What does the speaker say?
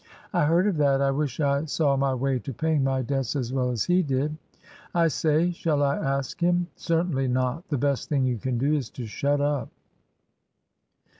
"I heard of that. I wish I saw my way to paying my debts as well as he did." "I say, shall I ask him?" "Certainly not. The best thing you can do is to shut up."